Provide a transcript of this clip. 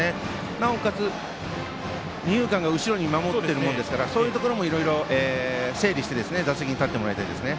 なおかつ、二遊間が後ろに守っているものですからそういうところもいろいろ整理して打席に立ってもらいたいですね。